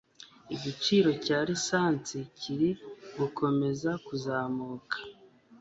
Igiciro cya lisansi kiri gukomeza kuzamuka